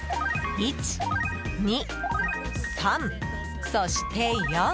１、２、３、そして４。